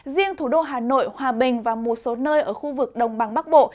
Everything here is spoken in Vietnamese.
riêng thủ đô hà nội hòa bình và một số nơi ở khu vực đồng bằng bắc bộ